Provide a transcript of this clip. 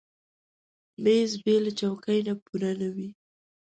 مېز بېله چوکۍ نه پوره نه وي.